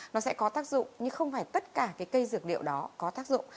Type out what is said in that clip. nó sẽ có tác dụng nhưng không phải tất cả cái cây dược liệu đó có tác dụng